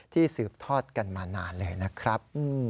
สืบทอดกันมานานเลยนะครับ